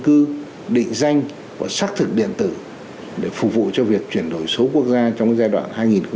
cư định danh và xác thực điện tử để phục vụ cho việc chuyển đổi số quốc gia trong giai đoạn hai nghìn hai mươi một